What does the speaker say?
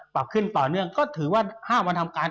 ปรับขึ้นต่อเนื่องก็ถือว่า๕วันทำการ